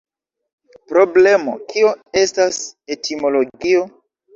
Problemo: kio estas etimologio?